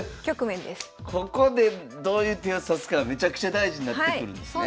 ここでどういう手を指すかめちゃくちゃ大事になってくるんですね。